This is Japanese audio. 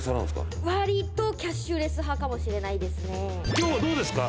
今日はどうですか？